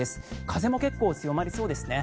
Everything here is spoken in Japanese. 風も結構強まりそうですね。